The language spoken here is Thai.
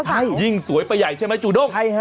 เจ้าสาวยิ่งไปใหญ่ใช่มั้ยจูด้ง